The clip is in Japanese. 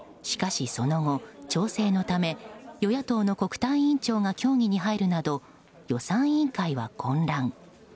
しかし、その後調整のため与野党の国対委員長が協議に入るなど予算委員会は混乱。